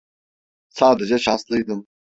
Sadece şanslıydım.